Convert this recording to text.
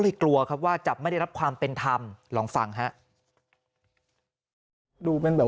กลัวครับว่าจะไม่ได้รับความเป็นธรรมลองฟังฮะดูเป็นแบบ